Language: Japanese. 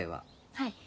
はい。